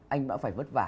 anh đã phải vất vả